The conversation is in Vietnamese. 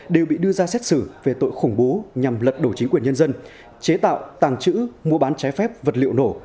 đều bị đưa ra xét xử về tội khủng bố nhằm lật đổ chính quyền nhân dân chế tạo tàng trữ mua bán trái phép vật liệu nổ